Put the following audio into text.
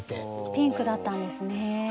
ピンクだったんですね。